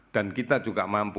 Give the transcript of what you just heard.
dan kita juga mampu